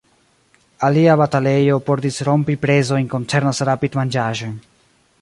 Alia batalejo por disrompi prezojn koncernas rapid-manĝaĵojn.